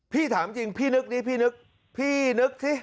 ถามจริงพี่นึกดิพี่นึกพี่นึกสิ